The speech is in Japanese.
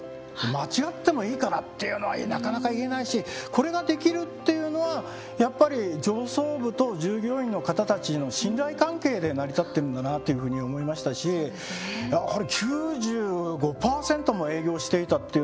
「間違ってもいいから」っていうのはなかなか言えないしこれができるっていうのはやっぱり上層部と従業員の方たちの信頼関係で成り立ってるんだなというふうに思いましたしあれ９５％も営業していたっていうのは正直知らなかったんですけども。